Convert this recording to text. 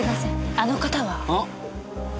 あの方は？ああ？